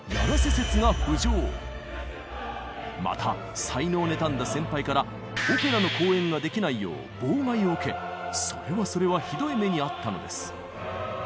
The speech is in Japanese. また才能を妬んだ先輩からオペラの公演ができないよう妨害を受けそれはそれはひどい目に遭ったのです。